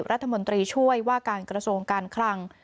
รัฐมนตรีช่วยว่าการกระทรวงการคลัง